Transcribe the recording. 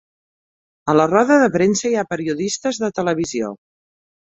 A la roda de premsa hi ha periodistes de televisió.